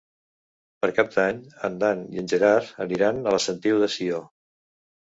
Per Cap d'Any en Dan i en Gerard aniran a la Sentiu de Sió.